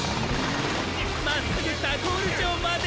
まっすぐタコールじょうまで！